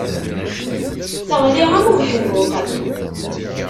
Teɣli am ubeḥnuq.